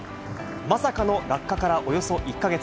まさかの落下からおよそ１か月。